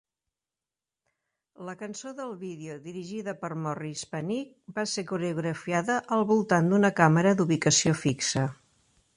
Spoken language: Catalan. La cançó del vídeo, dirigida per Morris Panych, va ser coreografiada al voltant d'una càmera d'ubicació fixa.